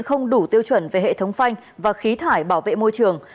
không đủ tiêu chuẩn về hệ thống phanh và khí thải bảo vệ môi trường